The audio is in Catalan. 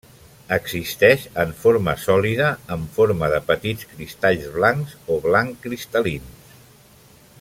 Existeix en forma sòlida en forma de petits cristalls blancs o blanc cristal·lins.